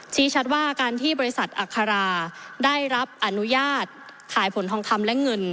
ชี้ชัดว่าการที่บริษัทอัคราได้รับอนุญาตขายผลทองคำและเงิน